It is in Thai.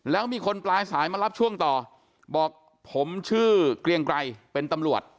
แล้วมีคนปลายสายมารับช่วงต่อบอกผมชื่อเกรียงไกรเป็นตำรวจ